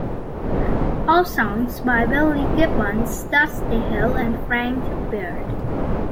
All songs by Billy Gibbons, Dusty Hill and Frank Beard.